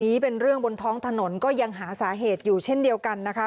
เป็นเรื่องบนท้องถนนก็ยังหาสาเหตุอยู่เช่นเดียวกันนะคะ